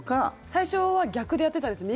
最初は逆でやってたんですよ。